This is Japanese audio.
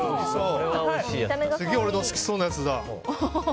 すげえ俺の好きそうなやつだ。